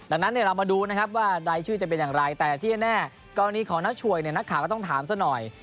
ดังนั้นเรามาดูนะครับว่ารายชื่อจะเป็นอย่างไรแต่ที่แน่กรณีของนักช่วยเนี่ยนักข่าวก็ต้องถามซะหน่อย